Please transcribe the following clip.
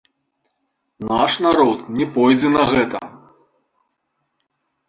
Наш народ не пойдзе на гэта.